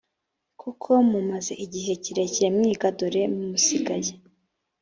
kuko mumaze igihe kirekire mwiga dore musigaye